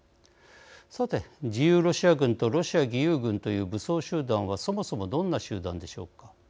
さて、自由ロシア軍とロシア義勇軍という武装集団はそもそもどんな集団でしょうか。